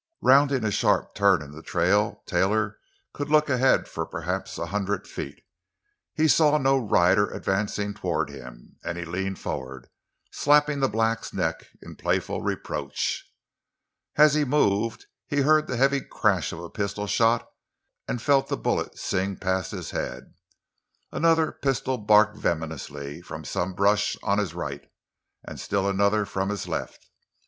Rounding a sharp turn in the trail, Taylor could look ahead for perhaps a hundred feet. He saw no rider advancing toward him, and he leaned forward, slapping the black's neck in playful reproach. As he moved he heard the heavy crash of a pistol shot and felt the bullet sing past his head. Another pistol barked venomously from some brush on his right, and still another from his left.